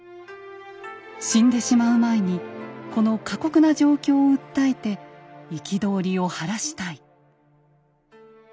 死んでしまう前にこの過酷な状況を訴えて憤りを晴らしたい。